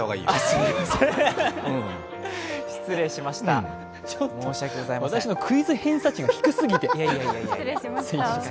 私のクイズ偏差値が低すぎてねぇ。